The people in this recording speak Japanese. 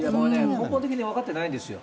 根本的に分かってないんですよ。